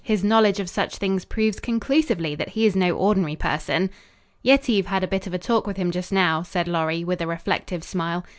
"His knowledge of such things proves conclusively that he is no ordinary person." "Yetive had a bit of a talk with him just now," said Lorry, with a reflective smile.